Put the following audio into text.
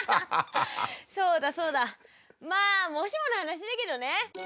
そうだそうだまあもしもの話だけどね！